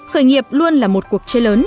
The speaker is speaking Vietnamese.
khởi nghiệp luôn là một cuộc chơi lớn